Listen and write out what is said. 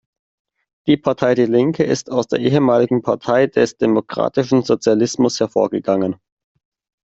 Die Partei die Linke ist aus der ehemaligen Partei des Demokratischen Sozialismus hervorgegangen.